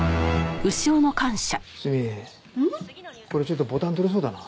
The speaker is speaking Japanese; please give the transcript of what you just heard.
これちょっとボタン取れそうだな。